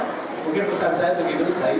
mungkin pesan saya begitu saja